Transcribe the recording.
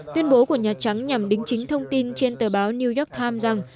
tuyên bố của nhà trắng nhằm đính chính thông tin trên tờ báo new york times rằng